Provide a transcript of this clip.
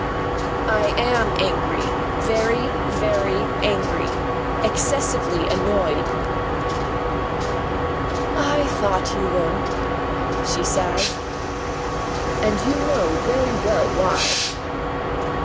"I am angry. Very, very angry. Excessively annoyed." "I thought you were," she sighed. "And you know very well why."